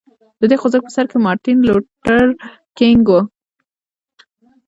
د دې خوځښت په سر کې مارټین لوټر کینګ و.